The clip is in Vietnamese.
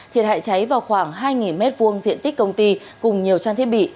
thiệt hại cháy vào khoảng hai m hai diện tích công ty cùng nhiều trang thiết bị